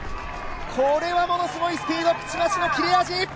これはものすごいスピード、口町の切れ味。